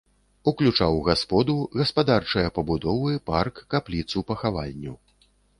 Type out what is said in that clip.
Уключаў гасподу, гаспадарчыя пабудовы, парк, капліцу-пахавальню.